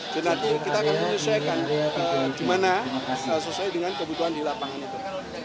jadi nanti kita akan menyelesaikan gimana sesuai dengan kebutuhan di lapangan itu